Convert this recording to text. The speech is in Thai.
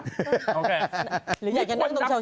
หรืออยากจะนั่งตรงเช้า